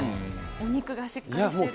お肉がしっかりしてる。